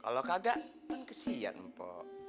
kalau kagak kan kesian mpok